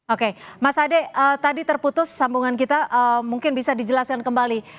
oke mas ade tadi terputus sambungan kita mungkin bisa dijelaskan kembali